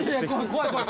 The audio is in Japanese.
怖い怖い。